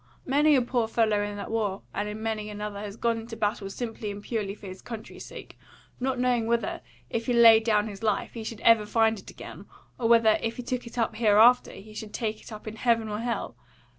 Many a poor fellow in that war and in many another has gone into battle simply and purely for his country's sake, not knowing whether, if he laid down his life, he should ever find it again, or whether, if he took it up hereafter, he should take it up in heaven or hell.